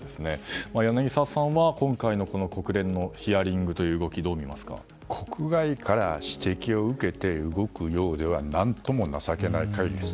柳澤さんは今回の国連のヒアリングという動き国外から指摘を受けて動くようでは何とも情けない限りです。